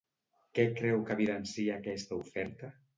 Què creu que evidencia aquesta oferta?